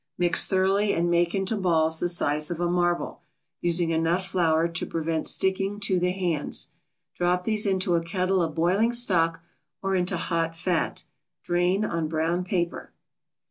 Mix thoroughly and make into balls the size of a marble, using enough flour to prevent sticking to the hands. Drop these into a kettle of boiling stock, or into hot fat. Drain on brown paper.